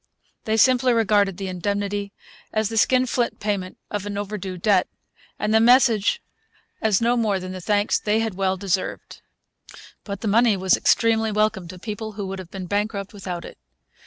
They simply regarded the indemnity as the skinflint payment of an overdue debt, and the message as no more than the thanks they had well deserved. But the money was extremely welcome to people who would have been bankrupt without it.